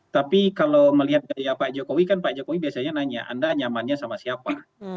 tapi kalau melihat dari pak jokowi kan pak jokowi biasanya nanya anda nyamannya sama siapa